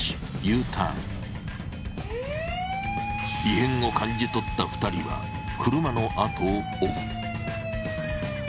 ウーー異変を感じ取った２人は車の後を追う。